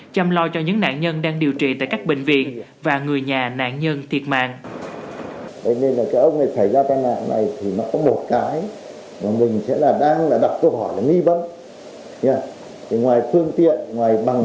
chăm lo cho những nạn nhân đang điều trị tại các bệnh viện và người nhà nạn nhân thiệt mạng